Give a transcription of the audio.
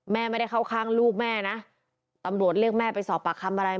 แม่ไม่ได้เข้าข้างลูกแม่นะตำรวจเรียกแม่ไปสอบปากคำอะไร